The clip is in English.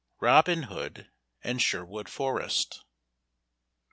ROBIN HOOD AND SHERWOOD FOREST.